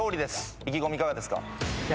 意気込みいかがですか？